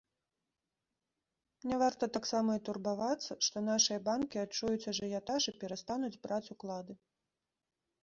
Не варта таксама і турбавацца, што нашыя банкі адчуюць ажыятаж і перастануць браць уклады.